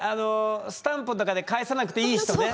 スタンプとかで返さなくていい人ね。